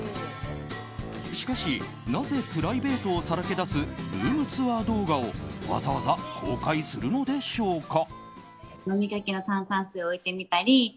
しかし、なぜプライベートをさらけ出すルームツアー動画をわざわざ公開するのでしょうか。